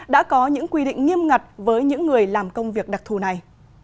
đã có những quy định nghiêm ngặt với những người làm công việc đặc thù này